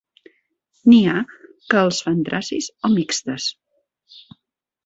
N'hi ha que els fan tracis o mixtes.